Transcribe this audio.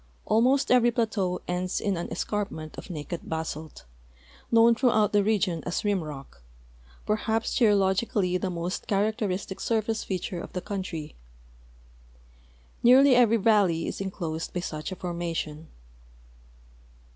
Almost every plateau ends in an escarpment of naked basalt, kitown throughout the region as rim rock, perhaps geologically the most characteristic surface feature of the couTitry. Nearly every valle}'' is inclosed by such a formation.